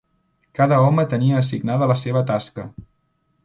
Cada home tenia assignada la seva tasca